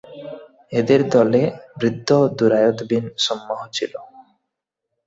এদের দলে বৃদ্ধ দুরায়দ বিন ছম্মাহও ছিল।